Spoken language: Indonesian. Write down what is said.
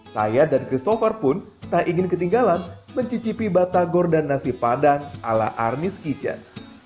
saya dan christopher pun tak ingin ketinggalan mencicipi batagor dan nasi padang ala arnis kitchen